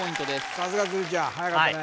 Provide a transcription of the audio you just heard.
さすが鶴ちゃんはやかったね